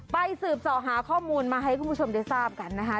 สืบส่อหาข้อมูลมาให้คุณผู้ชมได้ทราบกันนะคะ